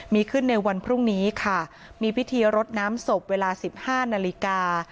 มีขึ้นในวันพรุ่งนี้ค่ะมีพิธีรดน้ำศพเวลาสิบห้านาฬิกา